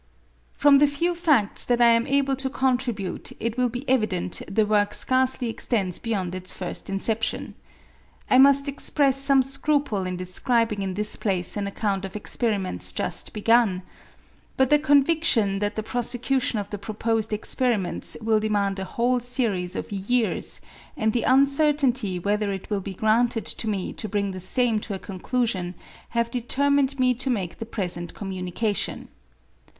From the few facts that I am able to contribute it will be evident the work scarcely extends beyond its first inception. I must express some scruple in describing in this place an account of experiments just begun. But the conviction that the prosecution of the proposed experiments will demand a whole series of years, and the uncertainty whether it will be granted to me to bring the same to a conclusion have determined me to make the present com munication.